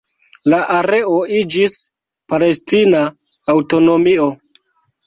La areo iĝis palestina aŭtonomio.